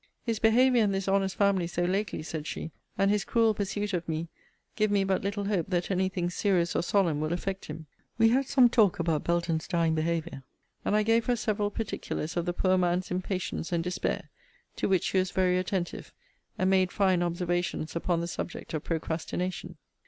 His behaviour in this honest family so lately, said she, and his cruel pursuit of me, give me but little hope that any thing serious or solemn will affect him. We had some talk about Belton's dying behaviour, and I gave her several particulars of the poor man's impatience and despair; to which she was very attentive; and made fine observations upon the subject of procrastination.